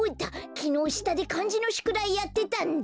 きのうしたでかんじのしゅくだいやってたんだ！